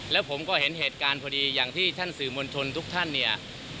แล้วผมก็เห็นเหตุการณ์พอดีอย่างที่ท่านสื่อมวลชนทุกท่านเนี่ย